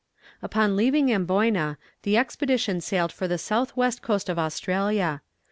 Upon leaving Amboyna, the expedition sailed for the south west coast of Australia.